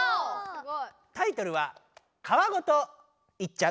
タイトルは「皮ごといっちゃう」。